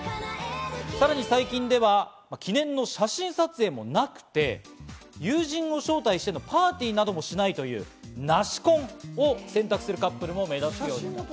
さらに最近では記念の写真撮影もなくて、友人を招待してのパーティーなどもしないというナシ婚を選択するカップルも目立っています。